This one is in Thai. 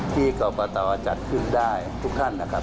ที่กรกตจัดขึ้นได้ทุกท่านนะครับ